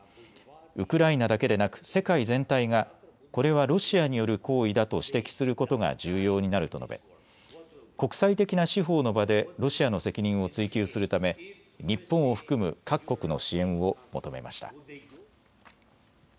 ウクライナだけでなく世界全体がこれはロシアによる行為だと指摘することが重要になると述べ国際的な司法の場でロシアの責任を追及するため日本を含む各国の支援を求めました。